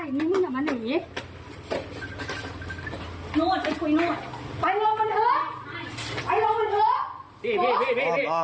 อ้อมสิ่งของตัวเหมือนกัน